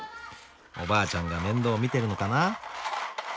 おばあちゃんが面倒見てるのかな。